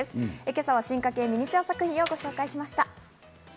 今朝は進化形ミニチュア作品をご紹介しました。